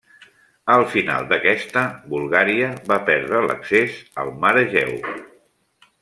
Al final d'aquesta, Bulgària va perdre l'accés al Mar Egeu.